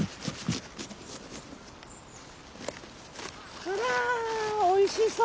あらおいしそう。